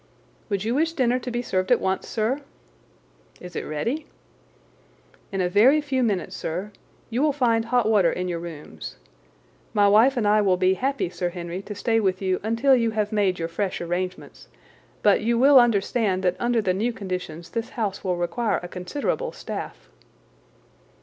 "Would you wish dinner to be served at once, sir?" "Is it ready?" "In a very few minutes, sir. You will find hot water in your rooms. My wife and I will be happy, Sir Henry, to stay with you until you have made your fresh arrangements, but you will understand that under the new conditions this house will require a considerable staff."